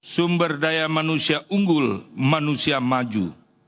sumber daya manusia unggul manusia maju